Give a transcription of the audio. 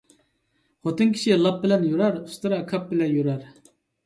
خوتۇن كىشى لاپ بىلەن يۈرەر، ئۇستىرا كاپ بىلەن يۈرەر